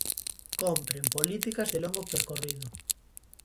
Cómpren políticas de longo percorrido.